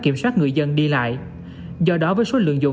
kiểm soát người dân đi lại